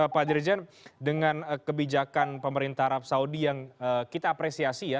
pak dirjen dengan kebijakan pemerintah arab saudi yang kita apresiasi ya